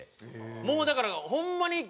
もうだからホンマにはい？